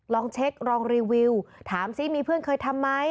ลองเช็คลองรีวิวถามซิมีเพื่อนเคยทำไหม